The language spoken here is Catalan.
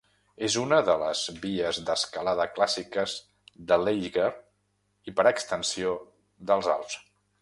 És una de les vies d'escalada clàssiques de l'Eiger i per extensió dels Alps.